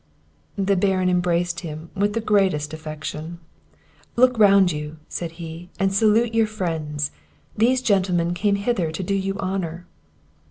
The Baron embraced him with the greatest affection. "Look round you," said he, "and salute your friends; these gentlemen came hither to do you honour."